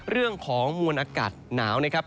เรื่องของมวลอากาศหนาวนะครับ